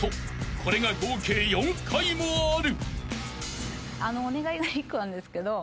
［これが合計４回もある］